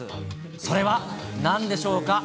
それはなんでしょうか？